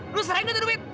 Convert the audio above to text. lu sering ngedudupin